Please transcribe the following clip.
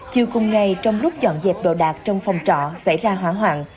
chiều cùng ngày trong lúc dọn dẹp đồ đạc trong phòng trọ xảy ra hỏa hoạn